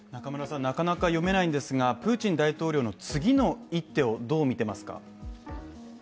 なかなか読めないんですが、プーチン大統領の次の一手をどう見てますか。